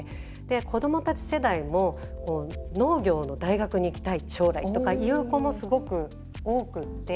子どもたち世代も農業の大学に行きたい将来とかっていう子もすごく多くって。